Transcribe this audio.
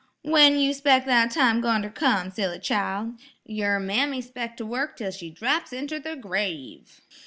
"When you 'spec' that time goin' ter come, silly chile? yer mammy 'spec' to wurk 'tell she draps inter the grave.